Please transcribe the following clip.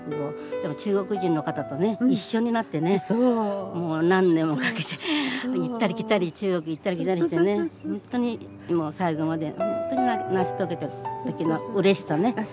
でも中国人の方とね一緒になってねもう何年もかけて行ったり来たり中国行ったり来たりしてねほんとにもう最後まで成し遂げた時のうれしさね。